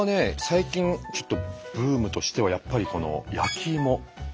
最近ちょっとブームとしてはやっぱり焼き芋。